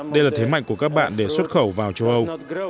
đây là thế mạnh của các bạn để xuất khẩu vào châu âu